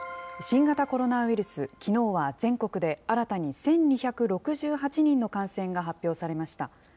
新型コロナウイルス、きのうは全国で新たに１２６８人の感染が発表されました。